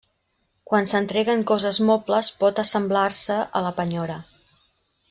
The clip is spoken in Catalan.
Quan s'entreguen coses mobles pot assemblar-se a la penyora.